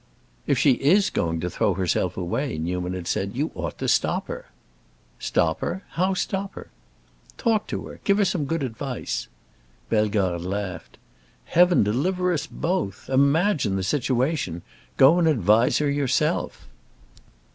"If she is going to throw herself away," Newman had said, "you ought to stop her." "Stop her? How stop her?" "Talk to her; give her some good advice." Bellegarde laughed. "Heaven deliver us both! Imagine the situation! Go and advise her yourself."